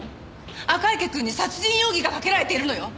赤池くんに殺人容疑がかけられているのよ。